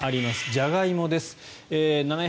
ジャガイモです。